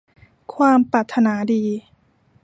ความปรารถนาดี